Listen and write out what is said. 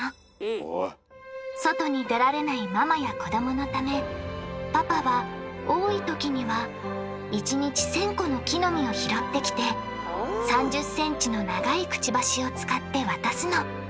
外に出られないママや子どものためパパは多いときには１日１，０００個の木の実を拾ってきて３０ｃｍの長いくちばしを使って渡すの。